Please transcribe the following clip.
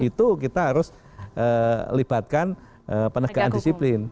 itu kita harus libatkan penegaan disiplin